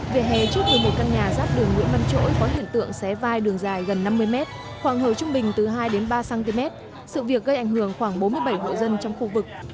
về hè trước một mươi một căn nhà dắt đường nguyễn văn trỗi có hiện tượng xé vai đường dài gần năm mươi mét khoảng hầu trung bình từ hai đến ba cm sự việc gây ảnh hưởng khoảng bốn mươi bảy hộ dân trong khu vực